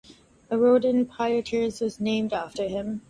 A road in Poitiers was named after him.